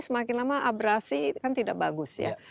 semakin lama abrasi kan tidak bagus ya